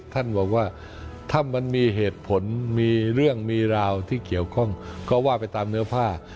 ท่านบอกว่าถ้ามันมีเหตุผลมีเรื่องมีราวที่เกี่ยวข้องก็ว่าไปตามเนื้อผ้า